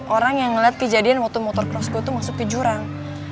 orang yang ngeliat kejadian waktu motor cross gue itu masuk ke jurang